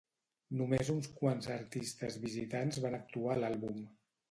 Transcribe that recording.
Només uns quants artistes visitants van actuar a l'àlbum.